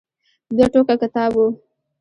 دوه ټوکه کتاب و.